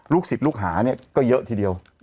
ลูกศิษย์ลูกหาก็เยอะที่เดียว